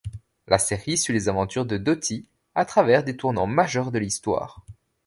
La série suit les aventures de Dottie, à travers des tournants majeurs de l'histoire.